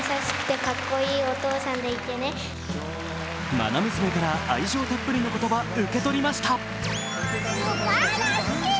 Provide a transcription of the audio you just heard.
まな娘から愛情たっぷりの言葉受け取りました。